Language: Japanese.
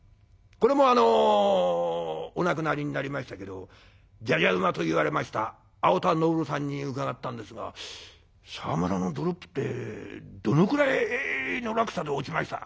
これもお亡くなりになりましたけど「じゃじゃ馬」と言われました青田昇さんに伺ったんですが「沢村のドロップってどのくらいの落差で落ちました？」。